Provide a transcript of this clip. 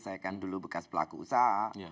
saya kan dulu bekas pelaku usaha